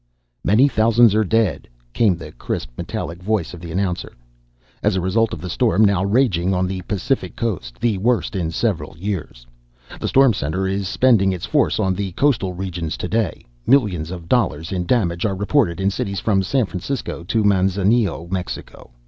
"Many thousands are dead," came the crisp, metallic voice of the announcer, "as a result of the storm now raging on the Pacific coast, the worst in several years. The storm center is spending its force on the coastal regions to day. Millions of dollars in damage are reported in cities from San Francisco to Manzanillo, Mexico.